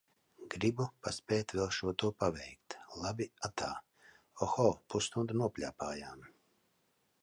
Gribu paspēt vēl šo to paveikt, labi atā! Oho, pusstundu nopļāpājām.